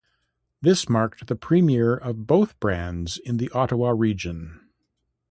This marked the premiere of both brands in the Ottawa region.